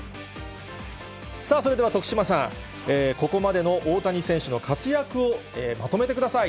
さあそれでは徳島さん、ここまでの大谷選手の活躍をまとめてください。